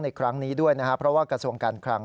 ในครั้งนี้ด้วยนะครับเพราะว่ากระทรวงการคลัง